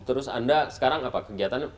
terus anda sekarang apa kegiatannya